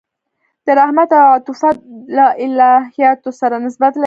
د رحمت او عطوفت له الهیاتو سره نسبت لري.